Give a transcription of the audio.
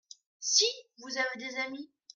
Si vous avez des amis !…